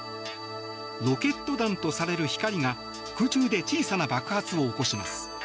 ロケット弾とされる光が空中で小さな爆発を起こします。